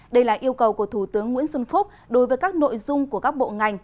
đây là yêu cầu của thủ tướng nguyễn xuân phúc đối với các nội dung của các bộ ngành